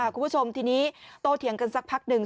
คุณผู้ชมทีนี้โตเถียงกันสักพักหนึ่ง